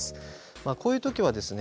こういう時はですね